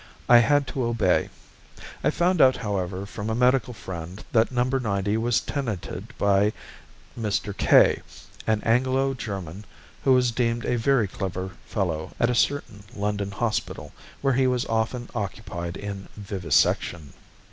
I had to obey. I found out, however, from a medical friend that No. 90 was tenanted by Mr. K , an Anglo German who was deemed a very clever fellow at a certain London hospital, where he was often occupied in vivisection.